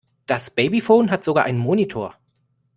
Das Babyphone hat sogar einen Monitor.